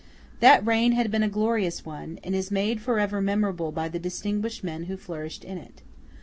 That reign had been a glorious one, and is made for ever memorable by the distinguished men who flourished in it.